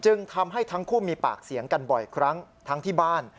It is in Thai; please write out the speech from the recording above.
ทำให้ทั้งคู่มีปากเสียงกันบ่อยครั้งทั้งที่บ้าน